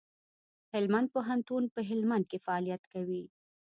هلمند پوهنتون په هلمند کي فعالیت کوي.